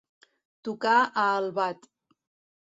Tocar a albat.